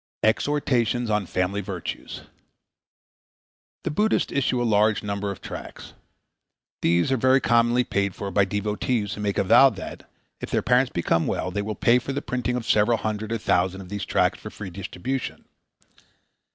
Exhortations on Family Virtues_ The Buddhists issue a large number of tracts. These are very commonly paid for by devotees who make a vow that, if their parent becomes well, they will pay for the printing of several hundred or thousand of these tracts for free distribution.